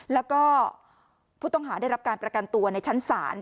แล้วก็ผู้ต้องหาได้รับการประกันตัวในชั้นศาล